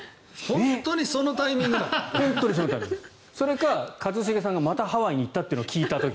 本当にそのタイミングそれか一茂さんがまたハワイに行ったのを聞いた時。